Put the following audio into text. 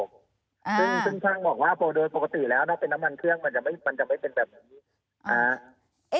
ซึ่งช่างบอกว่าโดยปกติแล้วถ้าเป็นน้ำมันเครื่องมันจะไม่เป็นแบบนี้